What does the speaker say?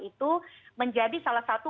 itu menjadi salah satu